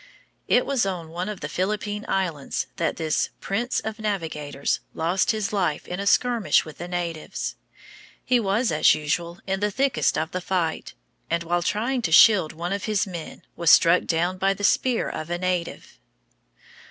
It was on one of the Philippine Islands that this "Prince of Navigators" lost his life in a skirmish with the natives. He was, as usual, in the thickest of the fight, and while trying to shield one of his men was struck down by the spear of a native.